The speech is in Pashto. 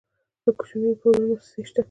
د کوچنیو پورونو موسسې شته؟